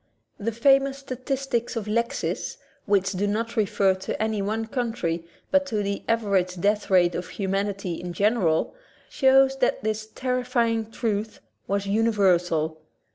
The X famous statistics of Lexis, which do not refer to any one country but to the average death rate of humanity in general, shows that this terrifying truth was universal.